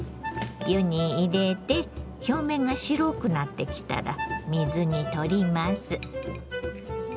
湯に入れて表面が白くなってきたら水にとります。